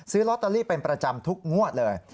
ซื้อลอตเตอรี่เป็นประจำทุกงวดเลย